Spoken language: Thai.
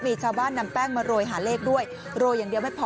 มีชาวบ้านนำแป้งมาโรยหาเลขด้วยโรยอย่างเดียวไม่พอ